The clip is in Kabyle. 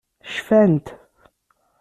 Cfant.